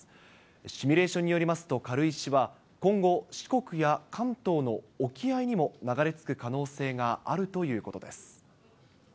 シミュレーションによりますと軽石は今後、四国や関東の沖合にも流れ着く可能性があるということです。